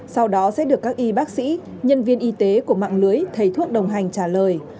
sau đó sẽ được các y bác sĩ nhân viên y tế của mạng lưới thầy thuốc đồng hành trả lời